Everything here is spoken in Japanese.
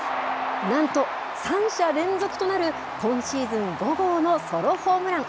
なんと３者連続となる、今シーズン５号のソロホームラン。